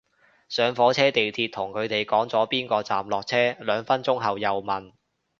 上火車地鐵同佢哋講咗邊個站落車，兩分鐘後又問